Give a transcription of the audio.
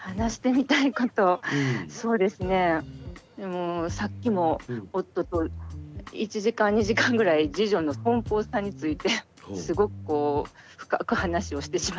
もうさっきも夫と１時間２時間ぐらい次女の奔放さについてすごくこう深く話をしてしまって。